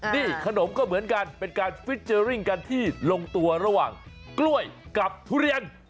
นี่ขนมก็เหมือนกันเป็นการฟิเจอร์ริ่งกันที่ลงตัวระหว่างกล้วยกับทุเรียน